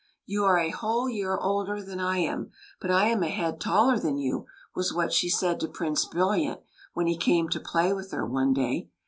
" You are a whole year older than I am, but I am a head taller than you," was what she said to Prince Brilliant, when he came to play with her, one day.